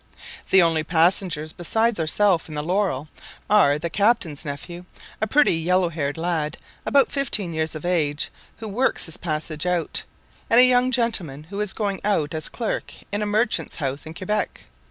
The only passengers besides ourselves in the Laurel are the captain's nephew, a pretty yellow haired lad, about fifteen years of age, who works his passage out, and a young gentleman who is going out as clerk in a merchant's house in Quebec.